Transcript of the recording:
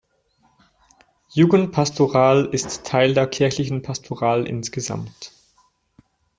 Jugendpastoral ist Teil der kirchlichen Pastoral insgesamt.